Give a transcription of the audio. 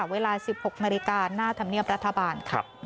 เวลา๑๖บนธรรมเนียมรัฐบาล